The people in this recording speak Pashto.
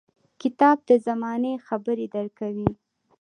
• کتاب د زمانې خبرې درکوي.